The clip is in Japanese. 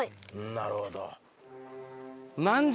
なるほど。